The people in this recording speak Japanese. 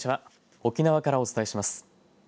沖縄からお伝えします。